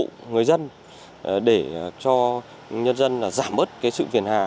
giúp đỡ người dân để cho nhân dân giảm bớt sự phiền hà